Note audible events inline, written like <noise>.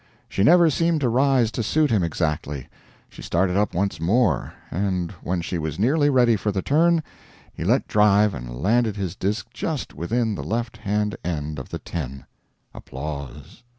She never seemed to rise to suit him exactly. She started up once more; and when she was nearly ready for the turn, he let drive and landed his disk just within the left hand end of the 10. <applause>